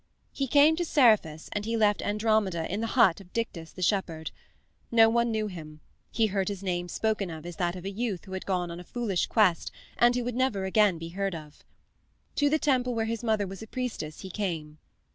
He came to Seriphus and he left Andromeda in the but of Dictys the shepherd. No one knew him; he heard his name spoken of as that of a youth who had gone on a foolish quest and who would never again be heard of. To the temple where his mother was a priestess he came.